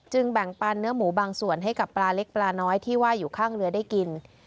แบ่งปันเนื้อหมูบางส่วนให้กับปลาเล็กปลาน้อยที่ว่าอยู่ข้างเรือได้กิน